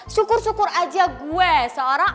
syukur syukur aja gue seorang